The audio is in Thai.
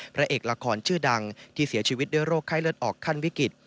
พระเอกละครชื่อดังที่เสียชีวิตด้วยโรคไข้เลือดออกขั้นวิกฤต